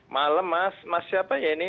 malam mas mas siapa ya ini